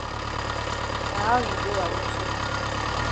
Na how you dey ya own so?